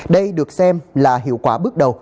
đây được xem là hiệu quả bước đầu